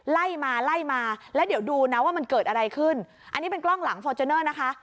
ไล่มาไล่มาแล้วเดี๋ยวดูนะว่ามันเกิดอะไรขึ้นอันนี้เป็นกล้องหลังฟอร์จูเนอร์นะคะ